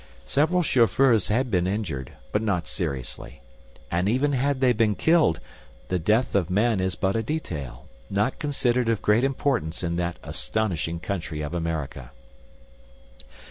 Several chauffeurs had been injured, but not seriously. And even had they been killed, the death of men is but a detail, not considered of great importance in that astonishing country of America.